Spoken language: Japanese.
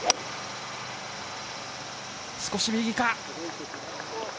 少し右か？